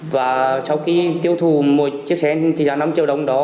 và sau khi tiêu thụ một chiếc xe trị giá năm triệu đồng đó